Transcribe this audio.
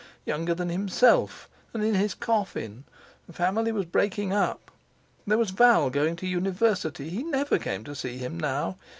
Younger than himself, and in his coffin! The family was breaking up. There was Val going to the university; he never came to see him now.